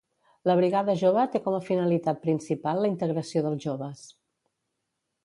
La brigada jove té com a finalitat principal la integració dels joves